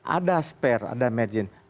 ada spare ada margin